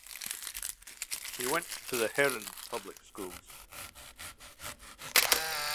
He went to the Herrin public schools.